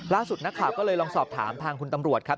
ล่าสุดนักข่าวก็เลยลองสอบถามทางคุณตำรวจครับ